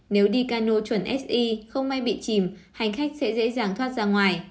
nếu đi cano chuẩn sy không may bị chìm hành khách sẽ dễ dàng thoát ra ngoài